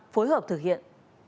phối hợp thực hiện